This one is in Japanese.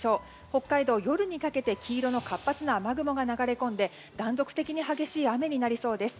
北海道、夜にかけて黄色の活発な雨雲が流れ込んで断続的に激しい雨になりそうです。